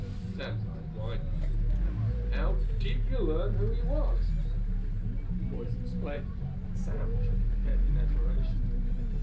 Sam's eyes widened. "How did you learn who he was?" The boys explained, and Sam shook his head in admiration.